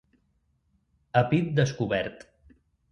A pit descobert.